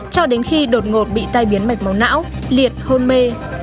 cho đến khi đột ngột bị tai biến mạch máu não liệt hôn mê